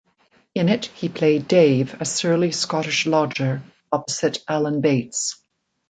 In it he played Dave, a surly Scottish lodger, opposite Alan Bates.